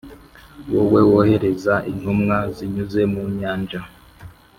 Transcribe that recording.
wowe wohereza intumwa zinyuze mu nyanja,